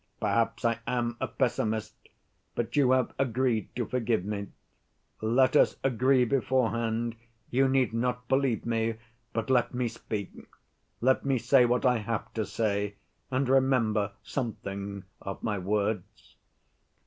Perhaps I am a pessimist, but you have agreed to forgive me. Let us agree beforehand, you need not believe me, but let me speak. Let me say what I have to say, and remember something of my words.